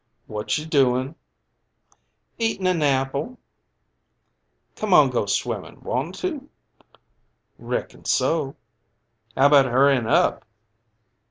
"What you doin'?" "Eatin' 'n apple." "Come on go swimmin' want to?" "Reckon so." "How 'bout hurryin' up?"